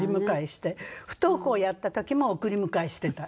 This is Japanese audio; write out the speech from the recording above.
不登校をやった時も送り迎えしてた。